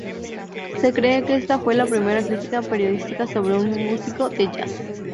Se cree que esta fue la primera crítica periodística sobre un músico de jazz.